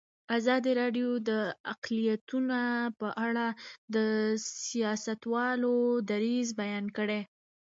ازادي راډیو د اقلیتونه په اړه د سیاستوالو دریځ بیان کړی.